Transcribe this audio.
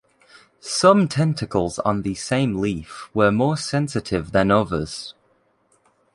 Some tentacles on the same leaf were more sensitive than others.